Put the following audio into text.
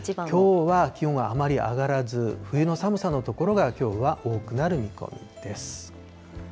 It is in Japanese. きょうは気温はあまり上がらず、冬の寒さの所がきょうは多くなる見込みです。